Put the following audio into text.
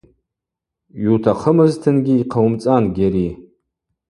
Йутахъымызтынгьи йхъауымцӏан, Гьари.